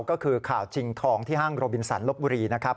ก็คือข่าวชิงทองที่ห้างโรบินสันลบบุรีนะครับ